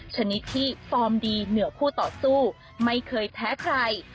ชนิดที่ฟอร์มดีเหนือคู่ต่อสู้ไม่เคยแพ้ใคร